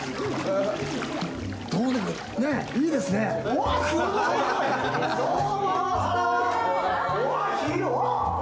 うわっ、広っ！